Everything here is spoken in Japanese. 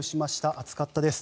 暑かったです。